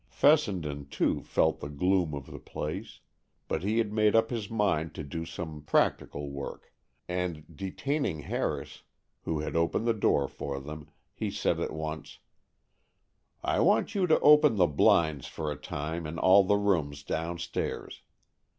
Fessenden, too, felt the gloom of the place, but he had made up his mind to do some practical work, and detaining Harris, who had opened the door for them, he said at once, "I want you to open the blinds for a time in all the rooms downstairs.